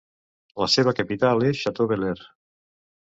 La seva capital és Chateaubelair.